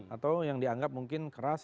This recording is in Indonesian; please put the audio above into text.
atau yang dianggap mungkin keras